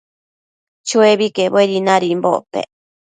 Chuebi quebuedi nadimbocpec